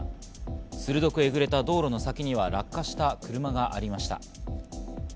鋭くえぐれた道路の先には落下した車がありました。